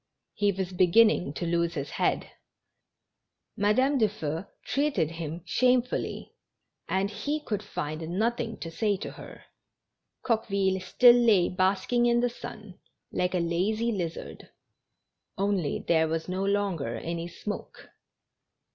He was beginning to lose his head. Madame Dufeu treated him shamefull}', and he could find nothing to say to her. Coqueville still lay basking in the sun, like a lazy lizard, only there was no longer any smoke.